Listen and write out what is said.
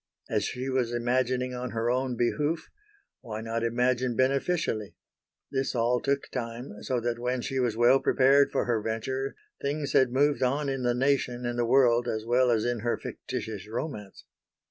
As she was imagining on her own behoof, why not imagine beneficially? This all took time, so that when she was well prepared for her venture things had moved on in the nation and the world as well as in her fictitious romance.